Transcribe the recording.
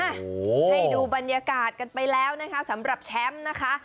โอ้โหให้ดูบรรยากาศกันไปแล้วนะคะสำหรับแชมป์นะคะ